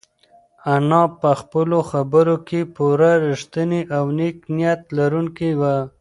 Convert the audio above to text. انا په خپلو خبرو کې پوره رښتینې او نېک نیت لرونکې وه.